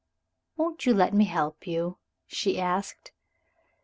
"Won't you let me help you?" she asked.